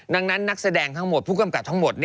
ดังนั้นนักแสดงทั้งหมดผู้กำกับทั้งหมด